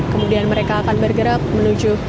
kemudian mereka akan bergerak menuju